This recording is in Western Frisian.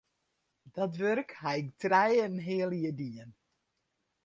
Dat wurk haw ik trije en in heal jier dien.